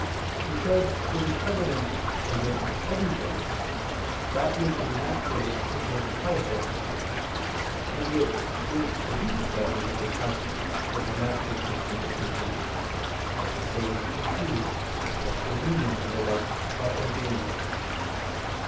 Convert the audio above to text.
Because it is evident that in everything, that which is natural is most powerful: and it is to these pleasures of the touch that the natural concupiscences, such as those of food, sexual union, and the like, are ordained.